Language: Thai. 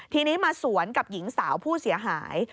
ทีนี้มาสวนกับหญิงสาวผู้เสียหาย